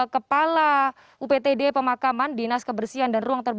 kepala uptd pemakaman dinas kebersihan dan ruang terbuka